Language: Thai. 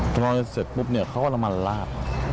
ตอนนั้นเสร็จปุ๊บเนี่ยเขาเอาละมันลาด